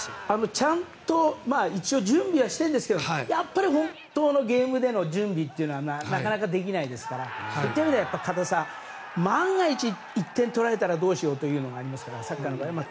ちゃんと一応準備はしているんですが本当のゲームでの準備はなかなかできないですから万が一、１点取られたらどうしようというのがありますからサッカーの場合は。